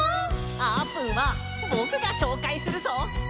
あーぷんはぼくがしょうかいするぞ。